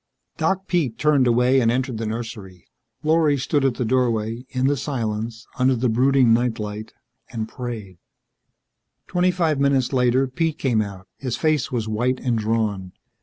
Doc Pete turned away and entered the nursery. Lorry stood at the doorway, in the silence, under the brooding night light, and prayed. Twenty five minutes later, Pete came out. His face was white and drawn.